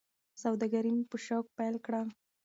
سوداګري مې په شوق پیل کړه.